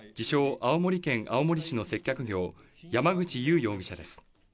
青森県青森市の接客業、山口優容疑者です。